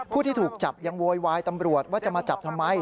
ผู้ที่ถูกจับยังโวยวายตำรวจว่าจะมาจับทำไม